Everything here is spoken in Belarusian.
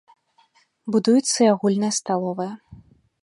Будуецца і агульная сталовая.